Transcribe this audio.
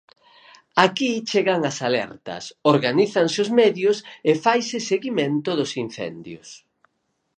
Aquí chegan as alertas, organízanse os medios e faise seguimento dos incendios.